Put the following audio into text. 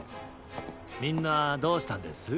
みんなどうしたんです？